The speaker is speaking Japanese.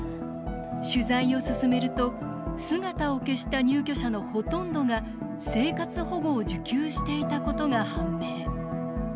取材を進めると姿を消した入居者のほとんどが生活保護を受給していたことが判明。